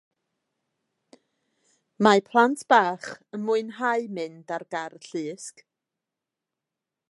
Mae plant bach yn mwynhau mynd ar gar llusg